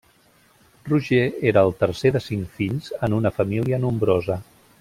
Roger era el tercer de cinc fills, en una família nombrosa.